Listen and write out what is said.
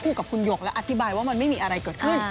กับคุณหยกและอธิบายว่ามันไม่มีอะไรเกิดขึ้น